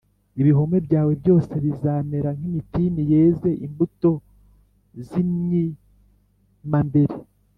Ibihome byawe byose bizamera nk’imitini yeze imbuto z’imyimambere